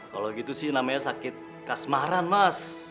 kalau gitu sih namanya sakit kasmaran mas